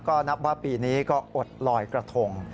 ก็นับว่าปีนี้ก็อดลอยกระทง